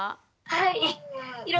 はい。